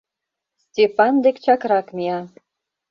Степан дек чакрак мия.